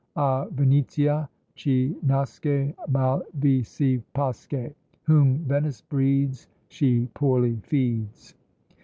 A Venetia chi vi nasce mal vi si pasce, "Whom Venice breeds, she poorly feeds."